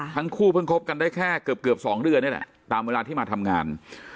ทั้งคู่เพิ่งคบกันได้แค่เกือบ๒เดือนนี่แหละตามเวลาที่มาทำงาน